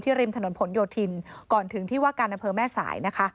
ที่ริมถนนผลโยธินก่อนถึงที่ว่าการนำเพิ่มแม่สาย